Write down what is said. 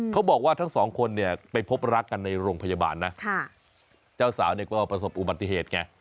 เขาบอกว่าทั้งสองคนเนี่ยไปพบรักกันในโรงพยาบาลนะเจ้าสาวเนี่ยก็ประสบอุบัติเหตุไง